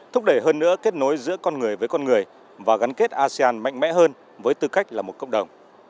thúc đẩy hơn nữa kết nối giữa con người với con người và gắn kết asean mạnh mẽ hơn với tư cách là một cộng đồng